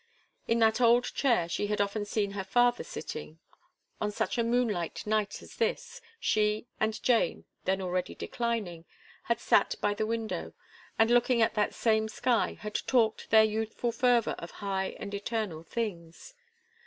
In that old chair she had often seen her father sitting; on such a moonlight night as this she and Jane, then already declining, had sat by the window, and looking at that same sky, had talked with youthful fervour of high and eternal things.